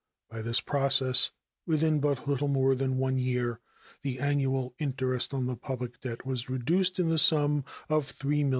By this process, within but little more than one year, the annual interest on the public debt was reduced in the sum of $3,775,000.